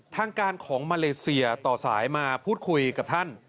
ทางการของมาเลเซียต่อสายมาพูดคุยกับท่าน